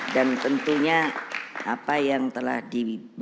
dan tentunya apa yang telah di